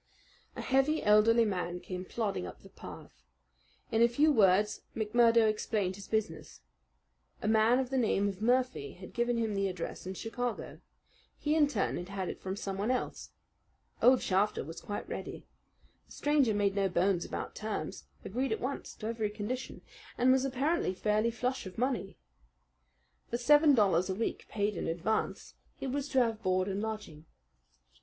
A heavy, elderly man came plodding up the path. In a few words McMurdo explained his business. A man of the name of Murphy had given him the address in Chicago. He in turn had had it from someone else. Old Shafter was quite ready. The stranger made no bones about terms, agreed at once to every condition, and was apparently fairly flush of money. For seven dollars a week paid in advance he was to have board and lodging.